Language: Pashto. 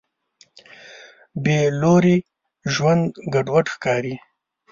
بېلوري ژوند ګډوډ ښکاري.